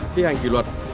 khi hành kỷ luật